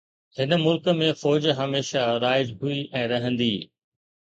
هن ملڪ ۾ فوج هميشه رائج هئي ۽ رهندي